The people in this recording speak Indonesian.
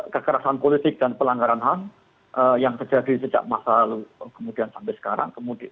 kekerasan politik dan pelanggaran ham yang terjadi sejak masa lalu kemudian sampai sekarang